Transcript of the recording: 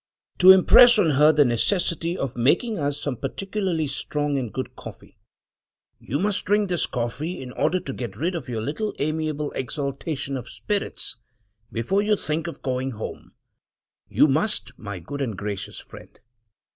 to impress on her the necessity of making us some particularly strong and good coffee. You must drink this coffee in order to get rid of your little amiable exaltation of spirits before you think of going home — you must, my good and gracious friend!